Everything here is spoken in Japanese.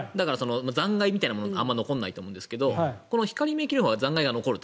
残骸みたいなものはあまり残らないと思うんですがこの光免疫療法は残骸が残ると。